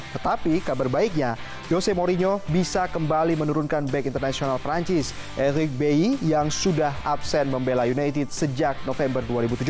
tetapi kabar baiknya yose mourinho bisa kembali menurunkan back internasional perancis eric bey yang sudah absen membela united sejak november dua ribu tujuh belas